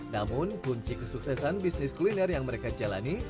namun kunci kesuksesan bisnis kuliner yang mereka jalani